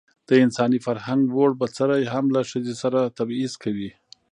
د انساني فرهنګ ووړ بڅرى هم له ښځې سره تبعيض کوي.